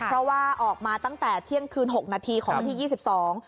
เพราะว่าออกมาตั้งแต่เที่ยงคืนหกนาทีของวันที่ยี่สิบสอง